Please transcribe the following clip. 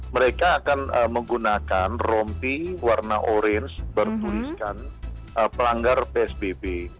mereka akan menggunakan rompi warna orange bertuliskan pelanggar psbb